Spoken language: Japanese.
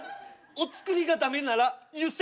お造りが駄目なら湯煎がいい？